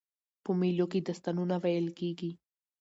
په مېلو کښي داستانونه ویل کېږي.